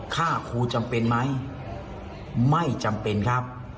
ฆ่าครูจำเป็นไหมไม่จำเป็นครับ